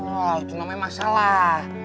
wah itu namanya masalah